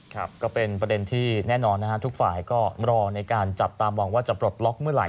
ก็เป็นประเด็นที่แน่นอนนะฮะทุกฝ่ายก็รอในการจับตามองว่าจะปลดล็อกเมื่อไห